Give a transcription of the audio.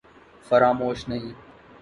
فراموش نہیں